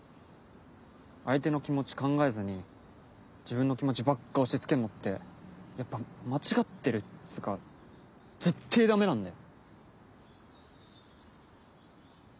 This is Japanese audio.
相手の気持ち考えずに自分の気持ちばっか押しつけるのってやっぱ間違ってるつうかぜってぇダメなんだよ！